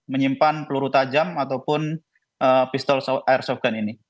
menyimpan peluru tajam ataupun pistol airsoft gun ini